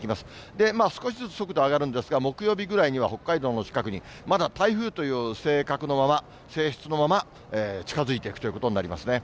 で、少しずつ速度上がるんですが、木曜日ぐらいには北海道の近くに、まだ台風という性格のまま、性質のまま、近づいていくということになりますね。